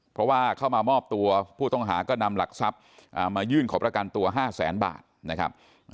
เพราะว่าเข้ามามอบตัวผู้ต้องหาก็นำหลักทรัพย์มายื่นขอประกันตัว๕แสนบาทนะครับ